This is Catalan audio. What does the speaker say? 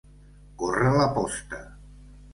Córrer la posta.